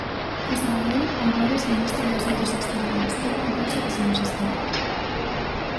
José Manuel Albares Ministro de Asuntos Exteriores Hai unha cousa que se nos escapa.